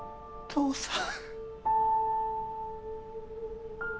父さん。